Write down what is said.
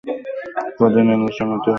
কদিন এ আলোচনাতেও জয়ার যেন প্রবৃত্তি ছিল না।